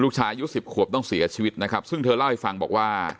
อายุสิบขวบต้องเสียชีวิตนะครับซึ่งเธอเล่าให้ฟังบอกว่า